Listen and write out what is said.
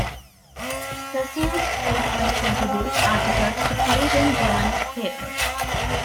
Stasiuk frequently contributes articles to Polish and German papers.